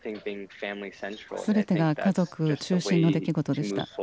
すべてが家族中心の出来事でした。